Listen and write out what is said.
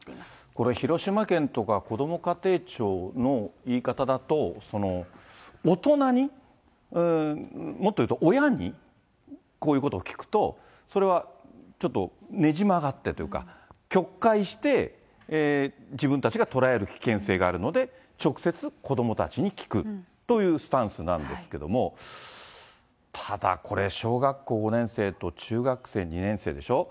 これ、広島県とか、こども家庭庁の言い方だと、大人に、もっと言うと親にこういうことを聞くと、それはちょっとねじ曲がってというか、曲解して、自分たちが捉える危険性があるので、直接子どもたちに聞くというスタンスなんですけれども、ただこれ、小学校５年生と中学生、２年生でしょう。